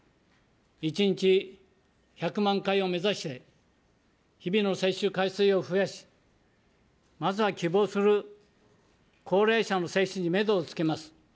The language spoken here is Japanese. １日１００万回を目指して、日々の接種回数を増やし、まずは希望する高齢者の接種にメドをつけます。